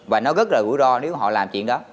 và nó rất là rủi ro nếu họ làm chuyện đó